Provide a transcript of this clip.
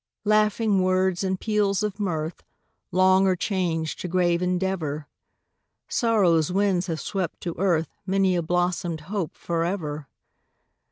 "Laughing words and peals of mirth, Long are changed to grave endeavor; Sorrow's winds have swept to earth Many a blossomed hope forever.